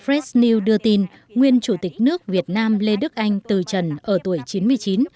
fresh news đưa tin nguyên chủ tịch nước việt nam lê đức anh từ trần ở tuổi chín mươi chín